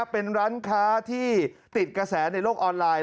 เป็นร้านค้าที่ติดกระแสในโลกออนไลน์